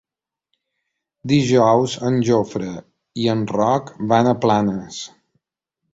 Dijous en Jofre i en Roc van a Planes.